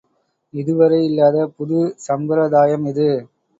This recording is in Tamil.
இதுவரை இல்லாத புது சம்பிரதாயம் இது.